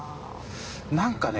何かね